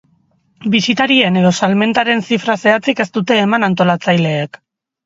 Bisitarien edo salmentaren zifra zehatzik ez dute eman antolatzaileek.